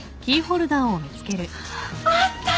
あった。